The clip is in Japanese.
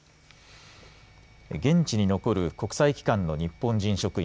現地に残る国際機関の日本人職員